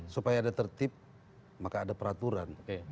supaya ada tertib maka ada peraturan